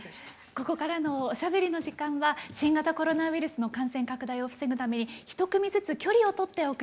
ここからのおしゃべりの時間は新型コロナウイルスの感染拡大を防ぐために１組ずつ距離を取ってお送りしていきます。